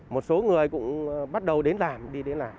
một số người cũng bắt đầu đến làm đi đến làm